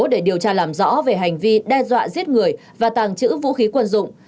để điều tra làm rõ về hành vi đe dọa giết người và tàng trữ vũ khí quân dụng